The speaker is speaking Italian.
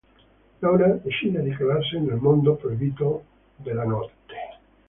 Laura decide di calarsi nel mondo proibito della notte.